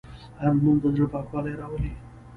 هره لمونځ د زړه پاکوالی راولي.